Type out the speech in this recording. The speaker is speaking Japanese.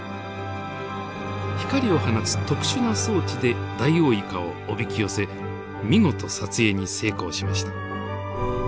光を放つ特殊な装置でダイオウイカをおびき寄せ見事撮影に成功しました。